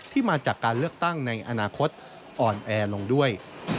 มาจากการเลือกตั้งในอนาคตอ่อนแอลงด้วย